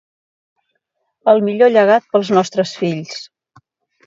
El millor llegat pels nostres fills.